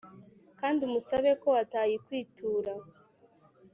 kandi umusabe ko atayikwitura